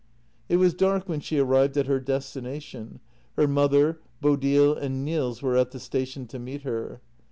It was dark when she arrived at her destination; her mother, Bodil, and Nils were at the station to meet her.